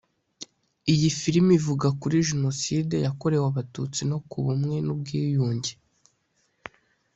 Iyi film ivuga kuri Jenoside yakorewe Abatutsi no ku bumwe n’ubwiyunge